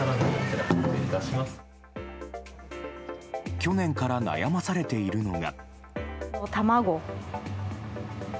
去年から悩まされているのが。